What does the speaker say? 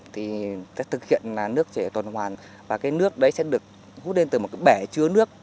thì thực hiện là nước chảy toàn hoàn và cái nước đấy sẽ được hút lên từ một cái bẻ chứa nước